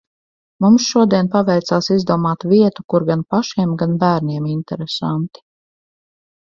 Mums šodien paveicās izdomāt vietu, kur gan pašiem, gan bērniem interesanti.